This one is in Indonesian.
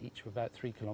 setiap pantai berat tiga km